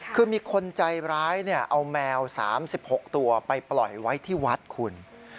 คือมีคนใจร้ายเอาแมว๓๖ตัวไปปล่อยไว้ที่วัดคุณ